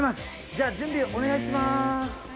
じゃあ準備、お願いします。